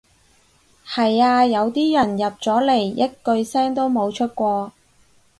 係呀，有啲人入咗嚟一句聲都冇出過